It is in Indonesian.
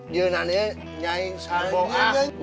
jangan ini nyai sarboh